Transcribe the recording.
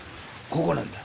ここなんだ。